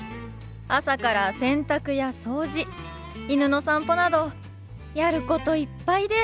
朝から洗濯や掃除犬の散歩などやることいっぱいで。